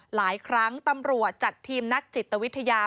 หลายครั้งตำรวจจัดทีมนักจิตวิทยา